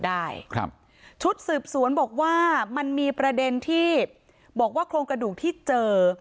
ได้ครับชุดสืบสวนบอกว่ามันมีประเด็นที่บอกว่าโครงกระดูกที่เจอ